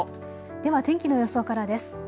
では天気の予想からです。